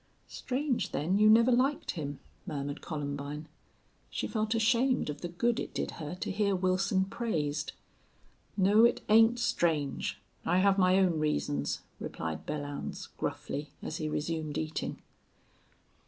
"Strange, then, you never liked him," murmured Columbine. She felt ashamed of the good it did her to hear Wilson praised. "No, it ain't strange. I have my own reasons," replied Belllounds, gruffly, as he resumed eating.